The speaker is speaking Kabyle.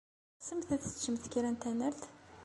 Teɣsemt ad teččemt kra n tanalt?